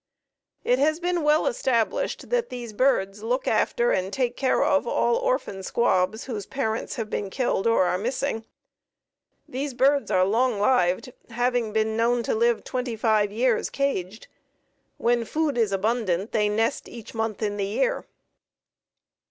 It has been well established that these birds look after and take care of all orphan squabs whose parents have been killed or are missing. These birds are long lived, having been known to live twenty five years caged. When food is abundant they nest each month in the year.